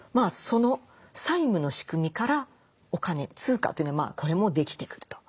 その債務の仕組みからお金通貨というのがこれもできてくると。